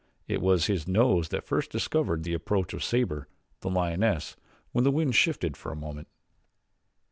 It was his nose that first discovered the approach of Sabor, the lioness, when the wind shifted for a moment.